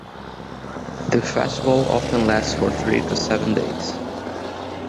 The festival often lasts for three to seven days.